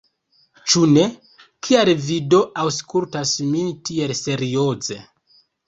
Ĉu ne? Kial Vi do aŭskultas min tiel serioze!